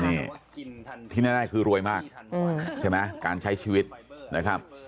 นี่ที่แน่คือรวยมากใช่ไหมการใช้ชีวิตนะครับ